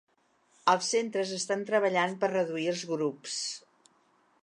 Els centres estan treballant per reduir els grups.